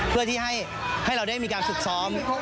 เพื่อที่ให้เราได้มีการฝึกซ้อม